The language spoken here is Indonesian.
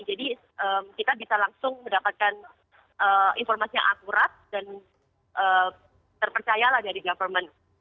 jadi kita bisa langsung mendapatkan informasi yang akurat dan terpercayalah dari government